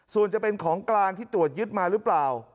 ส่วนจะเป็นของกลางที่ตรวจยึดมาหรือเปล่า